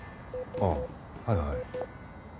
ああはいはい。